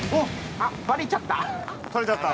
◆あっ、ばれちゃった？